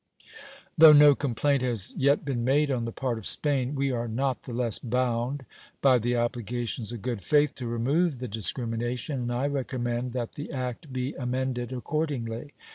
Though no complaint has yet been made on the part of Spain, we are not the less bound by the obligations of good faith to remove the discrimination, and I recommend that the act be amended accordingly.